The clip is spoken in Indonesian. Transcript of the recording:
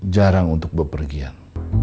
jarang untuk berpergian